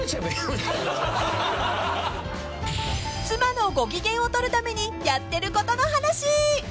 ［妻のご機嫌を取るためにやってることの話］